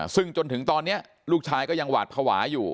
ซึ่งจนถึงตอนนี้ลูกชายก็ยังหวาดภาวะอยู่